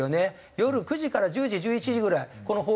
夜９時から１０時１１時ぐらいこの放映なんですよ。